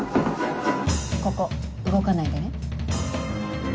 ここ動かないでね。